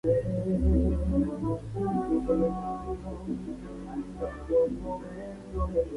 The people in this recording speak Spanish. Está demostrado que es un número trascendente.